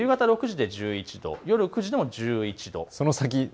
夕方６時で１１度、夜９時でも１１度。